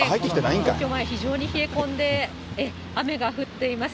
皇居前、非常に冷え込んで、雨が降っています。